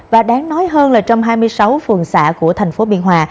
và đáng nói hơn là trong hai mươi sáu phường xã của tp biên hòa